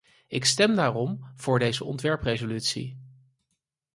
Ik stem daarom voor deze ontwerpresolutie.